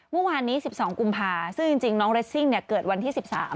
เมื่อวานนี้๑๒กุมภาซึ่งจริงน้องเรสซิ่งเกิดวันที่๑๓